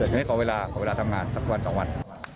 นี่ขอเวลาทำงานสักวัน๒วัน